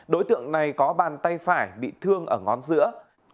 đối tượng này có bàn tay phải bị thương ở ngón giữa